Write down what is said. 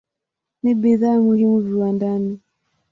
Ni bidhaa muhimu viwandani.